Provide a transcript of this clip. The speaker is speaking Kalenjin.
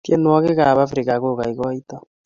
tienwokik ap afrika kokaikaito